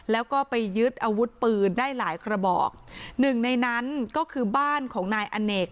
แล้วก็ไปยึดอาวุธปืนได้หลายกระบอกหนึ่งในนั้นก็คือบ้านของนายอเนก